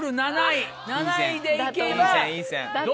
７位！